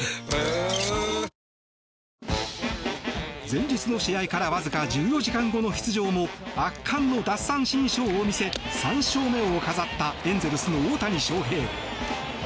前日の試合からわずか１４時間後の出場も圧巻の奪三振ショーを見せ３勝目を飾ったエンゼルスの大谷翔平。